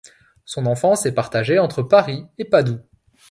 Son enfance est partagée entre Paris et Padoue.